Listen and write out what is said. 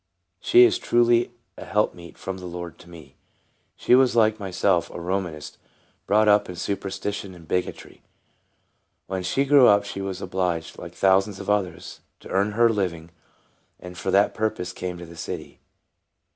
She is truly a helpmeet from the Lord to me. She was, like myself, a Romanist, brought up in superstition and bigotry. When she grew up she was obliged, like thousands of others, to earn her own living, and for that purpose came to the city.